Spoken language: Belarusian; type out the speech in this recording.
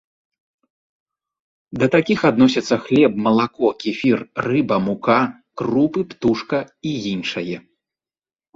Да такіх адносяцца хлеб, малако, кефір, рыба, мука, крупы, птушка і іншае.